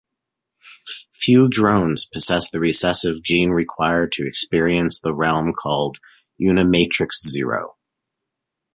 Few drones possess the recessive gene required to experience the realm called Unimatrix Zero.